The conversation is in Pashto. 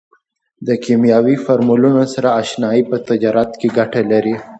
د کیمیاوي فورمولونو سره اشنایي په تجارت کې ګټه لري.